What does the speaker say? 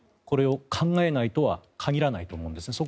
これを考えないとは限らないと思うんです。